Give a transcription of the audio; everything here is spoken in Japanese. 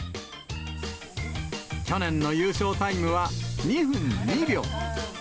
去年の優勝タイムは２分２秒。